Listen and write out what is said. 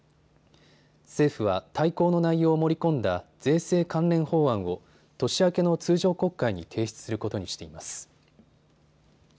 政府は大綱の内容を盛り込んだ税制関連法案を年明けの通常国会に提出することにしています。